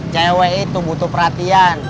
cewek itu butuh perhatian